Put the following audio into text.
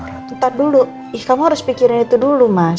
iya kamu harus pikirin itu dulu mas